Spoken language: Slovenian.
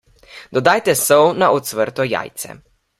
Dodajte sol na ocvrto jajce.